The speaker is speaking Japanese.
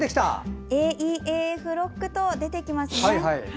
ＡＥ／ＡＦロックと出てきますね。